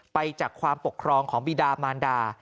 ไปจากความปกครองของบีดามานดา